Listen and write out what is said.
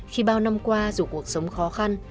khi bao năm qua dù cuộc sống khó khăn